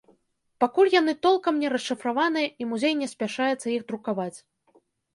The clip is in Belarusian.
Пакуль яны толкам не расшыфраваныя, і музей не спяшаецца іх друкаваць.